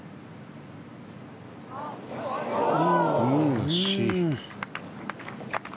惜しい。